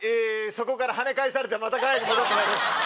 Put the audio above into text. そこからはね返されてまたガヤに戻ってまいりました。